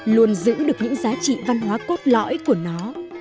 luôn giữ được những giá trị văn hóa cốt lõi của nó